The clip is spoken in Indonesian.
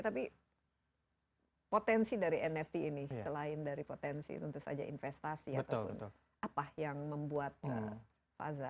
tapi potensi dari nft ini selain dari potensi tentu saja investasi ataupun apa yang membuat faza